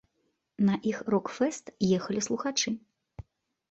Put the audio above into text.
На іх на рок-фэст ехалі слухачы.